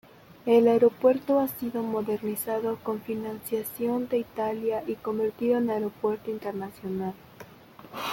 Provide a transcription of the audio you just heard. El aeropuerto ha sido modernizado con financiación de Italia y convertido en aeropuerto internacional.